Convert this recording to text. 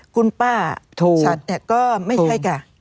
คุณป้าชัดก็ไม่ใช่กลัว